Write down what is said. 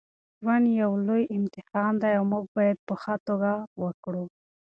ژوند یو لوی امتحان دی او موږ یې باید په ښه توګه ورکړو.